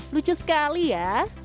lucu sekali ya